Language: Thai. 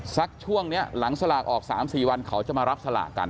ช่วงนี้หลังสลากออก๓๔วันเขาจะมารับสลากกัน